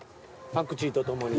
パクチーと共に。